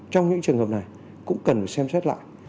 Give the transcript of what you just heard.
trong những trường hợp này cũng cần xem xét lại